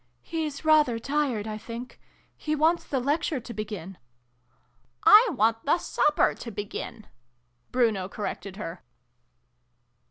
" He's rather tired, I think. He wants the Lecture to begin." " I want the supper to begin," Bruno cor rected her.